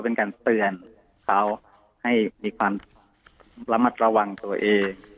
เป็นการเตือนเขาให้มีความระมัดระวังตัวเอง